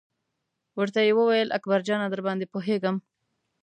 ورته یې وویل: اکبر جانه درباندې پوهېږم.